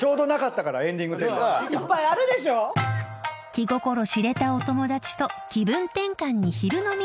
［気心知れたお友達と気分転換に昼飲み！］